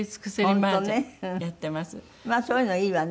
まあそういうのいいわね。